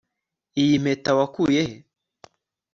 iyi mpeta wakuye he